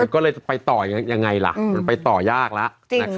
มันก็เลยจะไปต่อยังไงล่ะอืมมันไปต่อยากล่ะจริงค่ะ